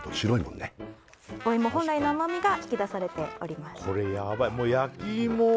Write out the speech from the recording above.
お芋本来の甘みが引き出されております